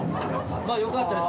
まあよかったです。